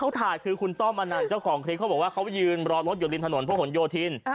แล้วคุณต้อมมานานเจ้าของคลิกเขาบอกว่าเขายืนรอรถอยู่ริมถนนพวกของโยธิน